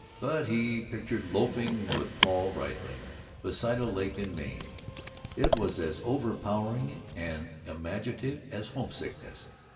But he pictured loafing with Paul Riesling beside a lake in Maine. It was as overpowering and imaginative as homesickness.